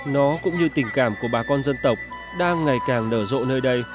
nó cũng như tình cảm của bà con dân tộc đang ngày càng nở rộ nơi đây